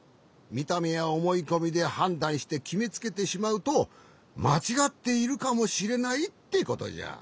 みためやおもいこみではんだんしてきめつけてしまうとまちがっているかもしれないってことじゃ。